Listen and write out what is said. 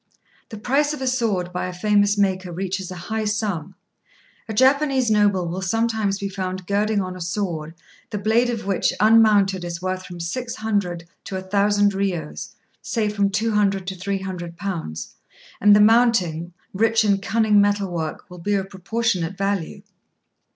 The price of a sword by a famous maker reaches a high sum: a Japanese noble will sometimes be found girding on a sword, the blade of which unmounted is worth from six hundred to a thousand riyos, say from £200 to £300, and the mounting, rich in cunning metal work, will be of proportionate value.